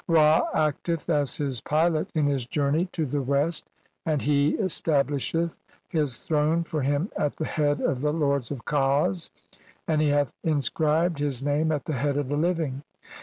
Ra acteth as his pilot in his journey to "the West, and he stablisheth his throne for him at "the head of the lords of Kas, and he hath inscribed "[his name] at the head of the living.